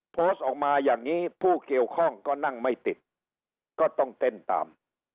โพสต์ออกมาอย่างนี้ผู้เกี่ยวข้องก็นั่งไม่ติดก็ต้องเต้นตาม